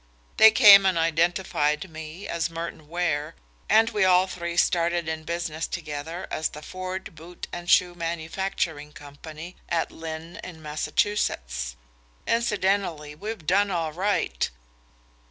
They came and identified me as Merton Ware, and we all three started in business together as the Ford Boot and Shoe Manufacturing Company at Lynn in Massachusetts. Incidentally, we've done all right.